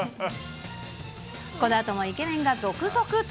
このあともイケメンが続々登